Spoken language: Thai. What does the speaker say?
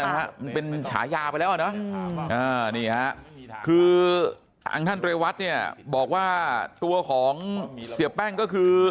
มันเป็นฉายาไปแล้วอ่ะเนอะนี่ฮะคือทางท่านเรวัตเนี่ยบอกว่าตัวของเสียแป้งก็คือ